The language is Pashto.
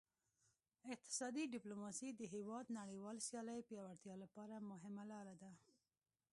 اقتصادي ډیپلوماسي د هیواد نړیوال سیالۍ پیاوړتیا لپاره مهمه لار ده